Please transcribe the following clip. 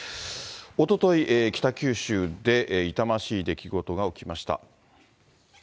おととい、北九州で痛ましい出来事が起きました。